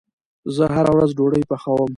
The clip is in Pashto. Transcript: زه هره ورځ ډوډې پخوم